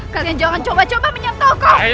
kalian jangan coba coba menyentuh